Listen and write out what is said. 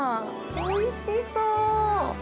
おいしそう。